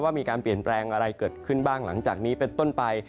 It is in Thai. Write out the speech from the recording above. มีการเปลี่ยนแปลงอะไรเกิดขึ้นบ้างหลังจากนี้เป็นต้นไป